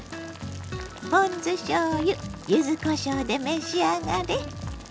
ポン酢しょうゆ柚子こしょうで召し上がれ。